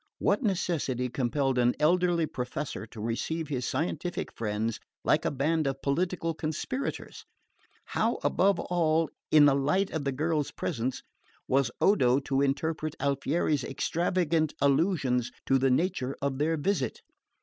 What necessity compelled an elderly professor to receive his scientific friends like a band of political conspirators? How above all, in the light of the girl's presence, was Odo to interpret Alfieri's extravagant allusions to the nature of their visit?